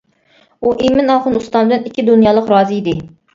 ئۇ ئىمىن ئاخۇن ئۇستامدىن ئىككى دۇنيالىق رازى ئىدى.